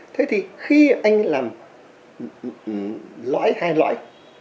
thế thì khi anh làm loại hai loại